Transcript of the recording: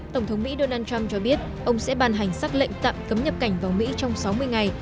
tổng thống mỹ donald trump cho biết ông sẽ bàn hành xác lệnh tạm cấm nhập cảnh vào mỹ trong sáu mươi ngày